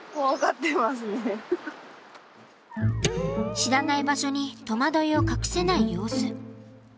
知らない場所に戸惑いを隠せない様子。